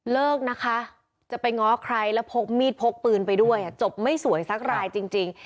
เลิกนะคะจะไปง้อใครแล้วพกมีดพกปืนไปด้วยจบไม่สวยสักรายจริง